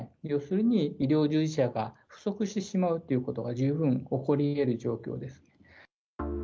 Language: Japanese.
要するに医療従事者が不足してしまうということが十分起こりえる状況です。